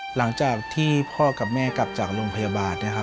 หลังจากที่พ่อกับแม่กลับจากโรงพยาบาลนะครับ